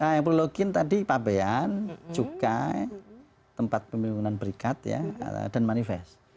nah yang perlu login tadi pabean cukai tempat pemimpinan berikat ya dan manifest